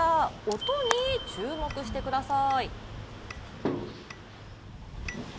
音に注目してください。